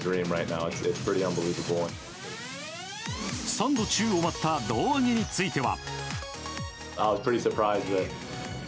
３度宙を舞った胴上げについては。